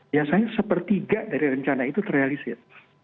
biasanya sepertiga dari rencana itu terrealisir